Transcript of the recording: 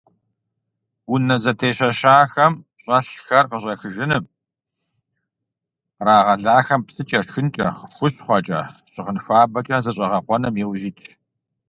Унэ зэтещэхахэм щӀэлъхэр къыщӀэхыжыным, кърагъэлахэм псыкӀэ, шхынкӀэ, хущхъуэкӀэ, щыгъын хуабэкӀэ защӀэгъэкъуэным иужь итщ.